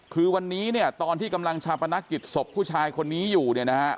คือวันนี้เนี่ยตอนที่กำลังชาปนักกิจศพผู้ชายคนนี้อยู่เนี่ยนะฮะ